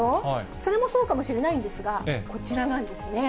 それもそうかもしれないんですが、こちらなんですね。